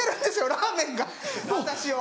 ラーメンが私を。